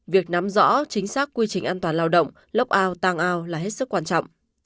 việc nắm rõ chính xác quy trình an toàn lao động lốc ao tăng ao là hết sức quan trọng